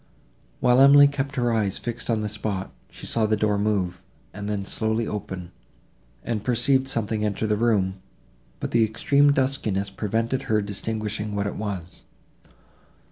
While Emily kept her eyes fixed on the spot, she saw the door move, and then slowly open, and perceived something enter the room, but the extreme duskiness prevented her distinguishing what it was.